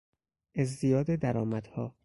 ازدیاد درآمدها